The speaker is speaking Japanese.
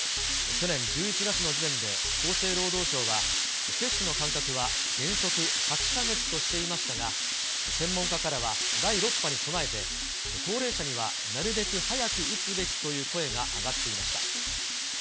去年１１月の時点で厚生労働省は、接種の間隔は原則８か月としていましたが、専門家からは第６波に備えて、高齢者にはなるべく早く打つべきという声が上がっていました。